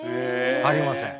ありません。